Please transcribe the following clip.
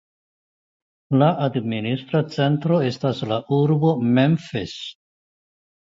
La administra centro estas la urbo Memphis.